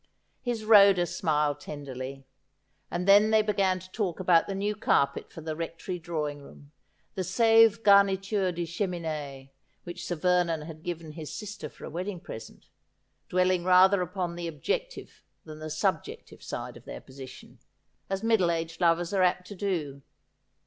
His Rhoda smiled tenderly ; and then they began to talk about the new carpet for the Rectory drawing room, the Sevres garniture cle cheminee which Sir Vernon had given his sister for a wedding present, dwelling rather upon the objective than the subjective side of their position, as middle aged lovers are apt to do.